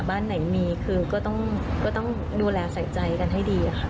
บ้านไหนมีคือก็ต้องดูแลใส่ใจกันให้ดีค่ะ